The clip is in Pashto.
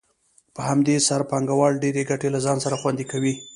په همدې سره پانګوال ډېرې ګټې له ځان سره خوندي کوي